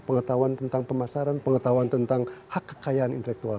pengetahuan tentang pemasaran pengetahuan tentang hak kekayaan intelektual